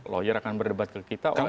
lawyer akan berdebat ke kita